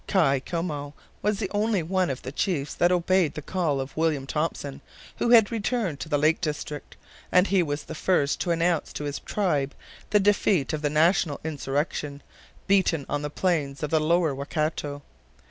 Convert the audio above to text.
Kai Koumou was the only one of all the chiefs that obeyed the call of William Thompson, who had returned to the lake district, and he was the first to announce to his tribe the defeat of the national insurrection, beaten on the plains of the lower Waikato.